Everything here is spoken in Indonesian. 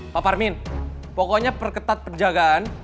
pak parmin pokoknya perketat penjagaan